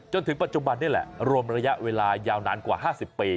จนถึงปัจจุบันนี่แหละรวมระยะเวลายาวนานกว่า๕๐ปี